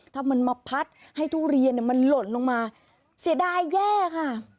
ถ้ามันมาพัดให้ทุเรียนมันหล่นลงมาเสียดายแย่ค่ะ